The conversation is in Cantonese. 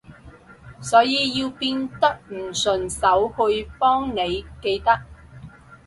所以要變得唔順手去幫你記得